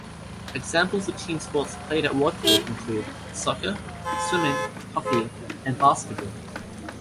Examples of team sports played at Waterford include: soccer, swimming, hockey and basketball.